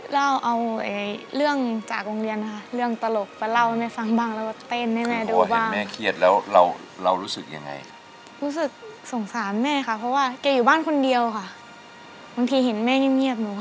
เราเอาเรื่องจากโรงเรียนนะคะเรื่องตลกไปเล่าให้แม่ฟังบ้างแล้วเต้นให้แม่ดูบ้าง